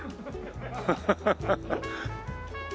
ハハハハッ。